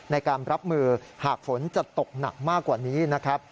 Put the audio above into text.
ในการรับมือหากฝนจะตกหนักมากกว่านี้นะครับ